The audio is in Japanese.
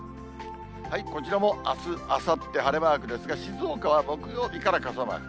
こちらもあす、あさって晴れマークですが、静岡は木曜日から傘マーク。